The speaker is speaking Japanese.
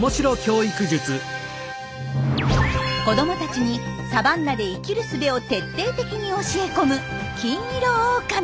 子どもたちにサバンナで生きるすべを徹底的に教え込むキンイロオオカミ。